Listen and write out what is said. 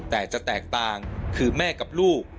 แต่จะแตกต่างคือแม่กับลูก